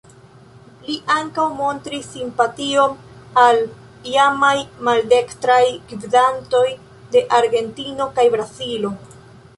Li ankaŭ montris simpation al iamaj maldekstraj gvidantoj de Argentino kaj Brazilo.